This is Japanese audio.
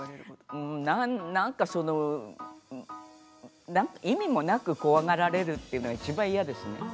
なんか意味もなく怖がられるというのがいちばん嫌ですね。